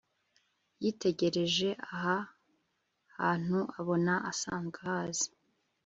Yitegereje aha hantuabona asanzwe ahazi